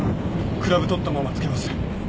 クラブとったまま着けます。